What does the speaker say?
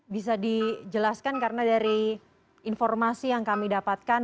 bisa dijelaskan karena dari informasi yang kami dapatkan